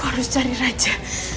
aku harus cari raja